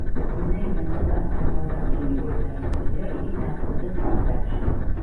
ვინაიდან „სკას“ მთავარ ადგილი ვერ დაიმკვირდა, იგი დაბრუნდა „სპარტაკში“.